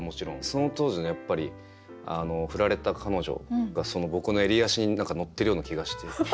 その当時の振られた彼女が僕の襟足に何か乗ってるような気がして。